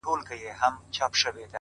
دا خواركۍ راپسي مه ږغـوه-